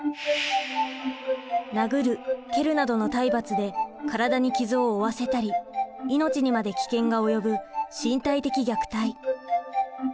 殴る蹴るなどの体罰で身体に傷を負わせたり命にまで危険が及ぶ身体的虐待。